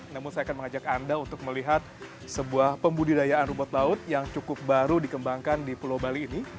namun saya akan mengajak anda untuk melihat sebuah pembudidayaan rumput laut yang cukup baru dikembangkan di pulau bali ini